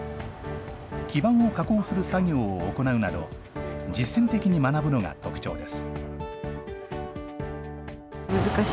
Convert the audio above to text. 基盤を加工する作業を行うなど、実践的に学ぶのが特徴です。